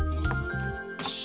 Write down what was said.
よし！